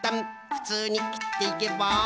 ふつうにきっていけば。